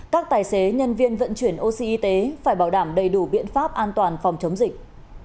các tài xế nhân viên vận chuyển oxy y tế phải bảo đảm đầy đủ biện pháp an toàn phòng chống dịch